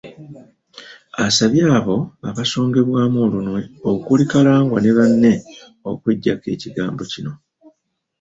Asabye abo abasongebwamu olunwe okuli Kalangwa ne banne okweggyako ekigambo kino.